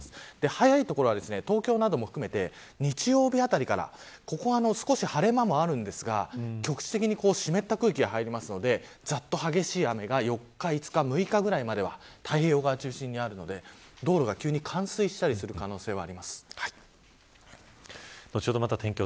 早い所では、東京なども含めて日曜日あたりからここは少し晴れ間もあるんですが局地的に湿った空気が入りますのでざっと激しい雨が４日、５日、６日ぐらいまでは太平洋側中心にあるので道路が急に冠水したりする後ほど